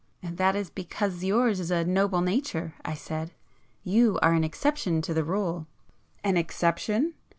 "That is because yours is a noble nature"—I said—"You are an exception to the rule." "An exception?